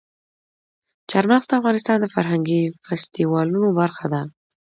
چار مغز د افغانستان د فرهنګي فستیوالونو برخه ده.